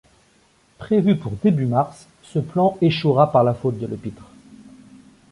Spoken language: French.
Prévu pour début mars, ce plan échouera par la faute de Lepitre.